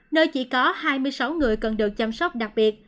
nơi chỉ có hai mươi sáu người cần được chăm sóc đặc biệt